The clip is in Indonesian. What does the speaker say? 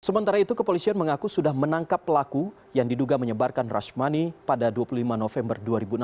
sementara itu kepolisian mengaku sudah menangkap pelaku yang diduga menyebarkan rashmani pada dua puluh lima november dua ribu enam belas